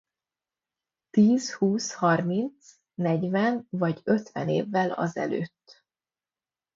Tíz, húsz, harminc, negyven vagy ötven évvel azelőtt.